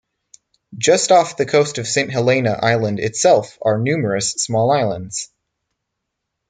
Just off the coast of Saint Helena island itself are numerous small islands.